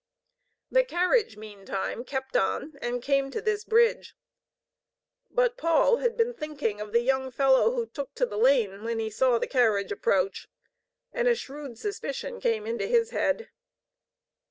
The carriage meantime kept on and came to this bridge. But Paul had been thinking of the young fellow who took to the lane when he saw the carriage approach and a shrewd suspicion came into his head.